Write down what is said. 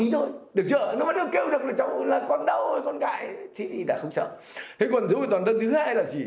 thế còn dũng vệ toàn tân thứ hai là gì